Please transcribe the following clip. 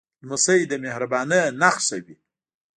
لمسی د مهربانۍ نښه وي.